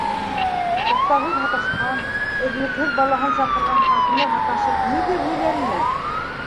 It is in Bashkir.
Туҡтауһыҙ һаташҡан, өҙлөкһөҙ балаһын саҡырған ҡатыны һаташып ниҙәр һөйләнмәҫ?